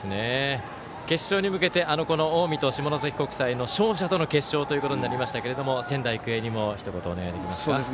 決勝に向けて近江と下関国際の勝者との決勝ということになりましたけれども仙台育英にもひと言お願いできますか。